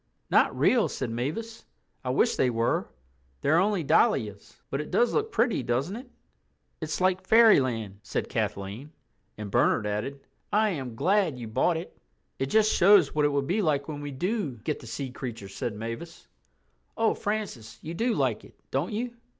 "Not real," said Mavis. "I wish they were; they're only dahlias. But it does look pretty, doesn't it?" "It's like Fairyland," said Kathleen, and Bernard added, "I am glad you bought it." "It just shows what it will be like when we do get the sea creatures," said Mavis. "Oh, Francis, you do like it, don't you?"